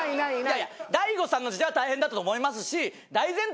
大悟さんの時代は大変だったと思いますし大前提